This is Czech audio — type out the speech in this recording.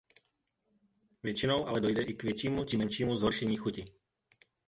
Většinou ale dojde i k většímu či menšímu zhoršení chuti.